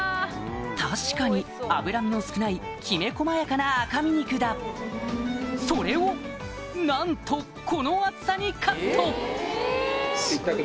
確かに脂身の少ないきめ細やかな赤身肉だそれをなんとこの厚さにカット！